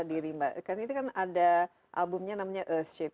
diri mbak karena ini kan ada albumnya namanya earthship